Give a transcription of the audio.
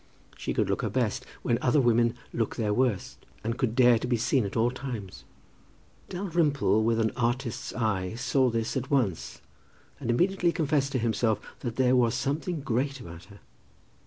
She could look her best when other women look their worst, and could dare to be seen at all times. Dalrymple, with an artist's eye, saw this at once, and immediately confessed to himself that there was something great about her.